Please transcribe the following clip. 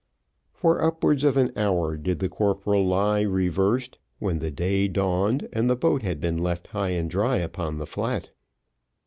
For upwards of an hour did the corporal lie reversed, when the day dawned, and the boat had been left high and dry upon the flat.